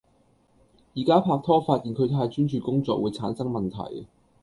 而家拍拖發現佢太專注工作會產生問題